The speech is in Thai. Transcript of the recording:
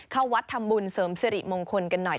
เข้าวัดทำบุญเสริมสิริมงคลกันหน่อย